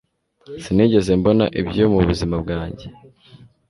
sinigeze mbona ibyo mubuzima bwanjye